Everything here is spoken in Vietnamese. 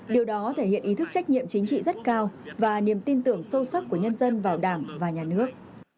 điều đó thể hiện ý thức trách nhiệm chính trị rất cao và niềm tin tưởng sâu sắc của nhân dân vào đảng và nhà nước